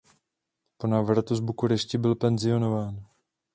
Po návratu z Bukurešti byl penzionován.